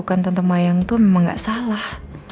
bukan tante mayang tuh memang gak salah